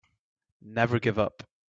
Never give up.